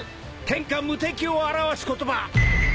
天下無敵を表す言葉。